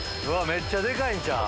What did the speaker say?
めっちゃでかいんちゃう？